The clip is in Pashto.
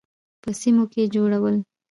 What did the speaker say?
په سیمو کې جوړول.